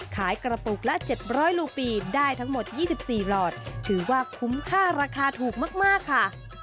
ขายกระปุกละ๗๐๐ลูกีได้ทั้งหมด๒๔หลอดถือว่าคุ้มค่าราคาถูกมากค่ะ